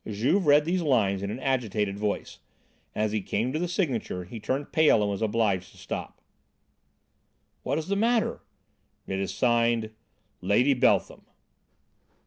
Juve read these lines in an agitated voice, and as he came to the signature he turned pale and was obliged to stop. "What is the matter?" "It is signed 'Lady Beltham.'"